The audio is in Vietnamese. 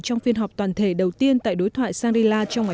trong phiên họp toàn thể đầu tiên tại đối thoại singapore